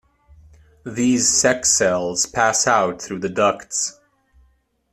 These sex cells pass out through the ducts.